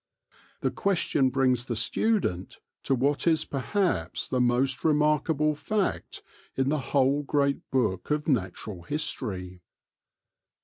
The question brings the student to what is perhaps the most remarkable fact in the whole great book of natural history.